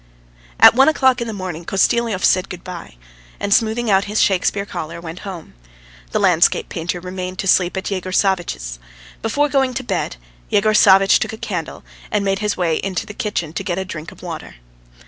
At one o'clock in the morning Kostyliov said good bye, and smoothing out his Shakespeare collar, went home. The landscape painter remained to sleep at Yegor Savvitch's. Before going to bed, Yegor Savvitch took a candle and made his way into the kitchen to get a drink of water.